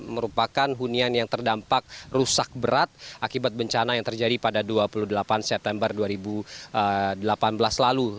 merupakan hunian yang terdampak rusak berat akibat bencana yang terjadi pada dua puluh delapan september dua ribu delapan belas lalu